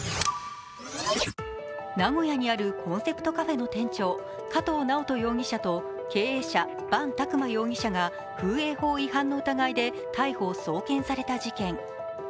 名古屋にあるコンセプトカフェの店長、加藤直人容疑者と経営者、伴拓磨容疑者が風営法違反の疑いで逮捕・送検された事件。